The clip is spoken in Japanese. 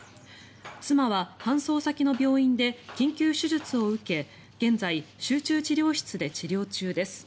妻は搬送先の病院で緊急手術を受け現在、集中治療室で治療中です。